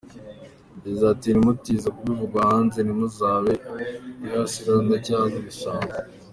Yagize ati “Ntimuzite kubivugwa hanze, ntimuzabe ibisahiranda cyangwa ibisambo.